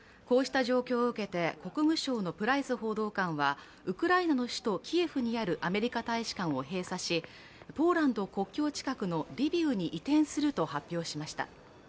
こうした状況を受けて、国務省のプライス報道官はウクライナの首都キエフにあるアメリカ大使館を閉鎖しポーランド国境近くのリビウに移転すると発表しました。